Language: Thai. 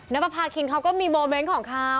นันเปอร์พากินก็มีผมเม้นท์ของเค้า